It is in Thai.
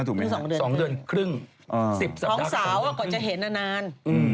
ท้องสาวก่ะจะเห็นนาน